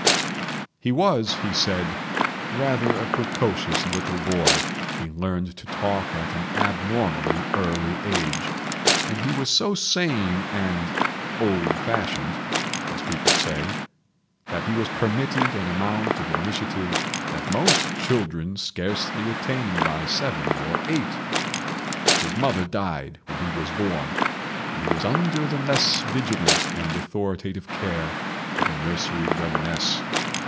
He was, he said, rather a precocious little boy—he learned to talk at an abnormally early age, and he was so sane and "old fashioned," as people say, that he was permitted an amount of initiative that most children scarcely attain by seven or eight. His mother died when he was born, and he was under the less vigilant and authoritative care of a nursery governess.